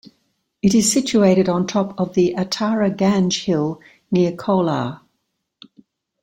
It is situated on top of the Antara Gange hill near Kolar.